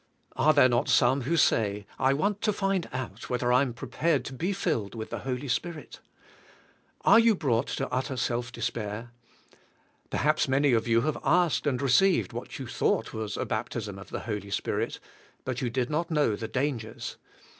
Are there not some who say, I want to find out whether I am prepared to be filled with the Holy Spirit? Are you broug ht to utter self des pair? Perhaps many of you have asked and re ceived what you thought was a baptism of the Holy Spirit, but you did not know the dangers.